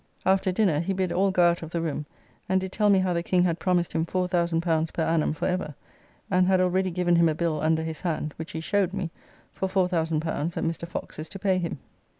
After dinner he bid all go out of the room, and did tell me how the King had promised him L4000 per annum for ever, and had already given him a bill under his hand (which he showed me) for L4000 that Mr. Fox is to pay him.